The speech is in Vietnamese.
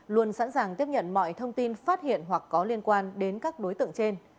luôn sẵn sàng tiếp nhận mọi thông tin phát hiện hoặc có liên quan đến các đối tượng trên